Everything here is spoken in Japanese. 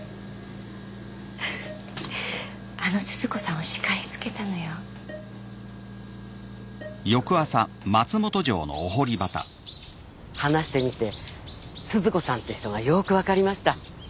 ウフあの鈴子さんをしかりつけたのよ話してみて鈴子さんって人がよーく分かりました